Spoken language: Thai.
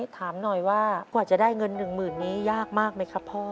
ถามหน่อยว่ากว่าจะได้เงิน๑๐๐๐นี้ยากมากไหมครับพ่อ